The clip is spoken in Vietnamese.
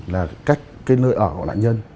là cách cái nơi ở của đạn nhân